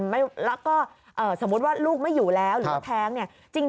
แล้วก็สมมุติว่าลูกไม่อยู่แล้วหรือแท้ง